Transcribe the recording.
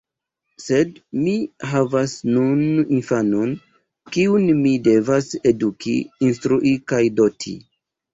Sed mi havas nun infanon, kiun mi devas eduki, instrui kaj doti.